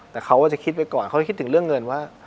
แต่เขาก็จะคิดไว้ก่อนเขาจะคิดถึงเรื่องเงินว่า